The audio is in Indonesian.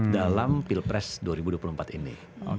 dalam pilpres dua ribu dua puluh empat ini